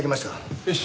よし。